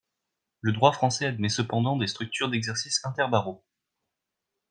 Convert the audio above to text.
Le droit français admet cependant des structures d'exercice inter-barreaux.